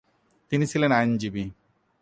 তিনি ছিলেন আইনজীবী।